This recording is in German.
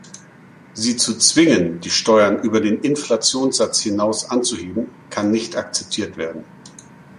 Sie zu zwingen, die Steuern über den Inflationssatz hinaus anzuheben, kann nicht akzeptiert werden.